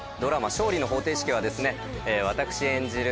『勝利の法廷式』は私演じる